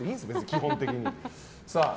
基本的に。